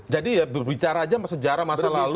jadi ya berbicara aja sejarah masa lalu